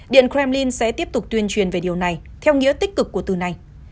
điện kremlin sẽ tiếp tục tuyên truyền về điều này theo nghĩa tích cực của từ này